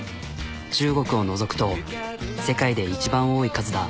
中国を除くと世界で一番多い数だ。